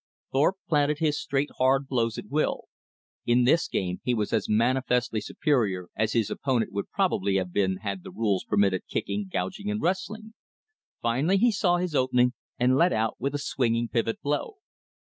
Thorpe planted his hard straight blows at will. In this game he was as manifestly superior as his opponent would probably have been had the rules permitted kicking, gouging, and wrestling. Finally he saw his opening and let out with a swinging pivot blow.